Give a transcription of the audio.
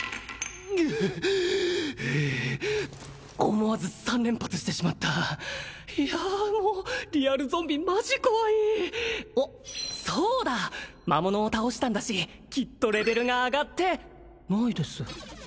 思わず３連発してしまったいやもうリアルゾンビマジ怖いあっそうだ魔物を倒したんだしきっとレベルが上がってないです